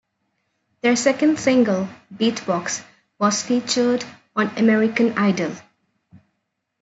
Their second single, "Beatbox", was featured on "American Idol".